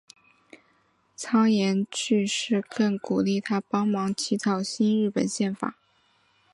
岩仓具视更鼓励他帮忙起草新日本宪法。